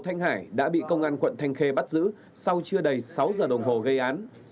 thanh hải đã bị công an quận thanh khê bắt giữ sau chưa đầy sáu giờ đồng hồ gây án